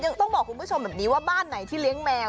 ต้องบอกคุณผู้ชมแบบนี้ว่าบ้านไหนที่เลี้ยงแมว